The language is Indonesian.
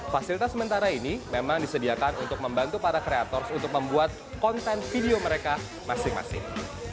fasilitas sementara ini memang disediakan untuk membantu para kreators untuk membuat konten video mereka masing masing